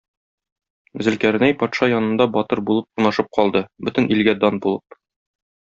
Зөлкарнәй патша янында батыр булып урнашып калды, бөтен илгә дан булып.